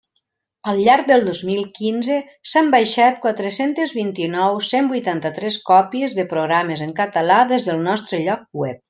Al llarg del dos mil quinze s'han baixat quatre-centes vint-i-nou cent vuitantat-tres còpies de programes en català des del nostre lloc web.